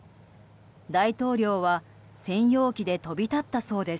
大統領は、専用機で飛び立ったそうです。